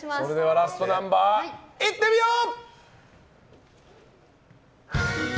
ラストナンバーいってみよう！